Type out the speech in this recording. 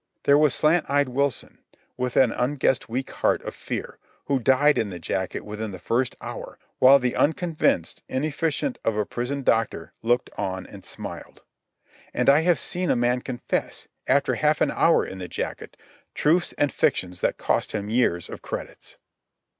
There was Slant Eyed Wilson, with an unguessed weak heart of fear, who died in the jacket within the first hour while the unconvinced inefficient of a prison doctor looked on and smiled. And I have seen a man confess, after half an hour in the jacket, truths and fictions that cost him years of credits.